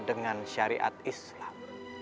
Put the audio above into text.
dengan syariat islam